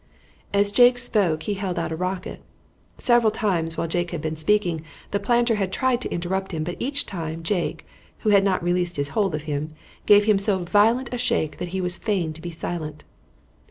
As Jake spoke he held out a rocket. Several times while Jake had been speaking the planter had tried to interrupt him, but each time Jake, who had not released his hold of him, gave him so violent a shake that he was fain to be silent.